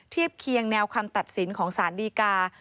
เทียบเคียงแนวคำตัดสินของสารดีกา